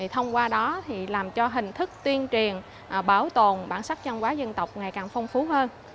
thông qua đó làm cho hình thức tuyên truyền bảo tồn bản sắc văn hóa dân tộc ngày càng phong phú hơn